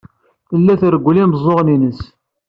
Tella treggel imeẓẓuɣen-nnes.